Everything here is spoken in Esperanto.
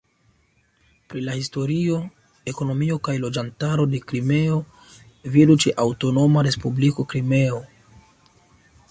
Pri la historio, ekonomio kaj loĝantaro de Krimeo vidu ĉe Aŭtonoma Respubliko Krimeo.